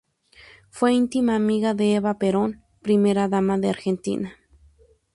Fue íntima amiga de Eva Perón, primera dama de Argentina.